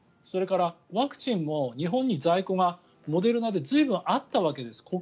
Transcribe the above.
それからワクチンも日本に在庫がモデルナで随分あったわけです。